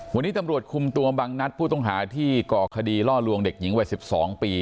วันนี้ตำรวจคุมตัวบังนัดผู้ต้องหาที่ก่อคดีล่อลวงเด็กหญิงวัย๑๒ปี